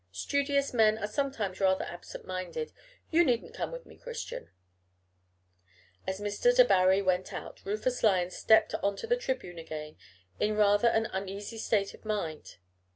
Studious men are sometimes rather absent minded. You needn't come with me, Christian." As Mr. Debarry went out, Rufus Lyon stepped on to the tribune again in rather an uneasy state of mind.